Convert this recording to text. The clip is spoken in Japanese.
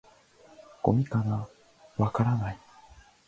「ゴミかな？」「わからない」